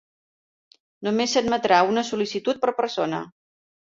Només s'admetrà una sol·licitud per persona.